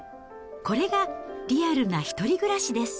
これが、リアルな１人暮らしです。